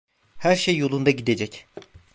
Her şey yolunda gidecek.